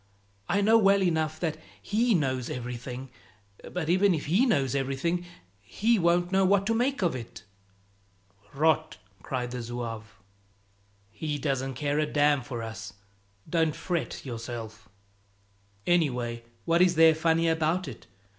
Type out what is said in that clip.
I know well enough that He knows everything, but even if He knows everything, He won't know what to make of it." "Rot!" cried the zouave. "He doesn't care a damn for us, don't fret yourself." "Anyway, what is there funny about it?